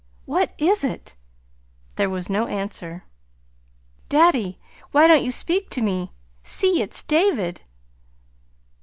WHAT IS IT?" There was no answer. "Daddy, why don't you speak to me? See, it's David!"